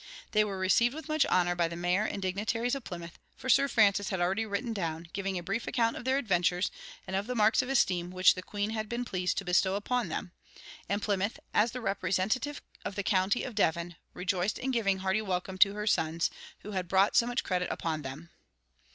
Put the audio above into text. They were received with much honor by the mayor and dignitaries of Plymouth, for Sir Francis had already written down, giving a brief account of their adventures, and of the marks of esteem which the Queen had been pleased to bestow upon them; and Plymouth, as the representative of the county of Devon, rejoiced in giving a hearty welcome to her sons, who had brought so much credit upon them.